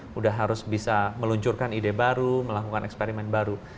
sudah harus bisa meluncurkan ide baru melakukan eksperimen baru